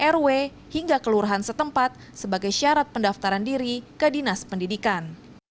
rw hingga kelurahan setempat sebagai syarat pendaftaran diri ke dinas pendidikan